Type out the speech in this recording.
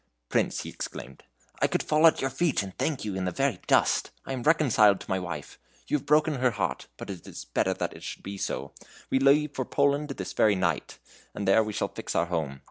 "Prince," he exclaimed, "I could fall at your feet and thank you in the very dust. I am reconciled to my wife. You have broken her heart; but it is better that it should be so. We leave for Poland this very night, and there we shall fix our home.